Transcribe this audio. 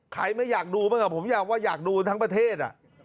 ใครไม่อยากดูบ้างผมอยากว่าอยากดูทั้งประเทศ